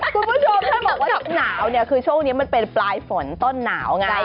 คุณผู้ชมถ้าบอกว่าหนาวเนี่ยคือช่วงนี้มันเป็นปลายฝนต้นหนาวไง